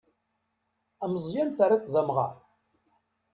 Ameẓẓyan terriḍ-t d amɣar.